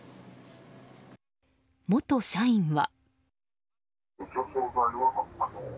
元社員は。